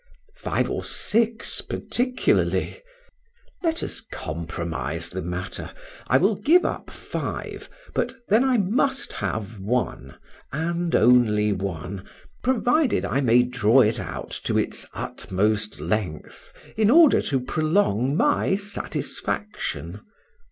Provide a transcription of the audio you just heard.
Five or six particularly let us compromise the matter I will give up five, but then I must have one, and only one, provided I may draw it out to its utmost length, in order to prolong my satisfaction.